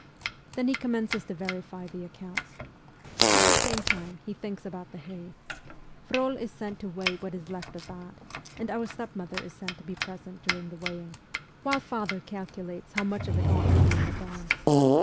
Then he commences to verify the accounts. At the same time, he thinks about the hay. Frol is sent to weigh what is left of that, and our stepmother is sent to be present during the weighing, while father calcu lates how much of it ought to be in the barn.